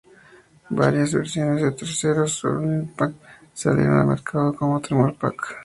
Varias versiones de terceros del Rumble Pak salieron al mercado, como Tremor Pak.